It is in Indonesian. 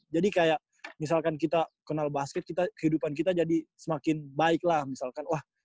jadi kayak misalkan kita kenal basket kita kehidupan kita jadi semakin baik lah misalkan wah